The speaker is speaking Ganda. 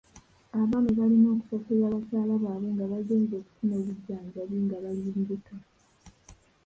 Abaami balina okusasulira bakyala baabwe nga bagenze okufuna obujjanjabi nga bali mbuto.